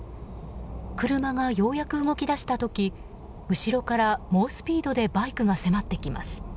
車がようやく動き出した時後ろから猛スピードでバイクが迫ってきます。